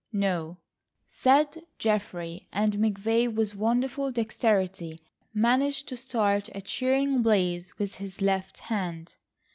"No," said Geoffrey, and McVay, with wonderful dexterity, managed to start a cheering blaze with his left hand.